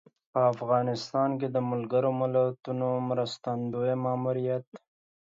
په افغانستان کې د ملګر ملتونو مرستندویه ماموریت